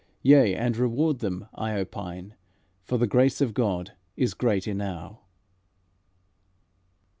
Yea, and reward them, I opine, For the grace of God is great enow."